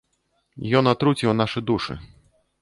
Ён атруціў нашы душы.